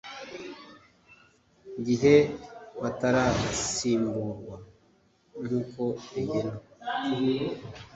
Gihe Batarasimburwa Nk Uko Bigenwa